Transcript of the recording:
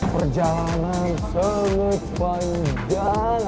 perjalanan sangat panjang